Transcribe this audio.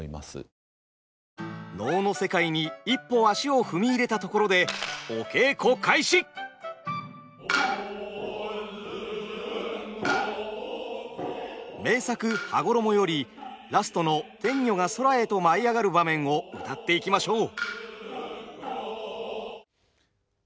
能の世界に一歩足を踏み入れたところで名作「羽衣」よりラストの天女が空へと舞い上がる場面を謡っていきましょう。